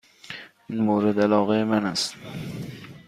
این مورد علاقه من است.